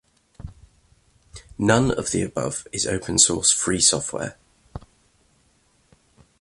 None of the above is open source free software.